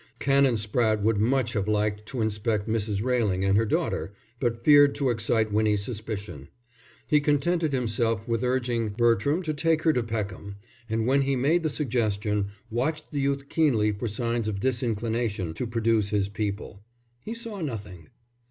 Canon Spratte would much have liked to inspect Mrs. Railing and her daughter, but feared to excite Winnie's suspicion. He contented himself with urging Bertram to take her to Peckham; and when he made the suggestion, watched the youth keenly for signs of disinclination to produce his people. He saw nothing.